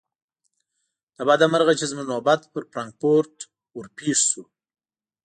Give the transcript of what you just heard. له بده مرغه چې زموږ نوبت پر فرانکفورت ور پیښ شو.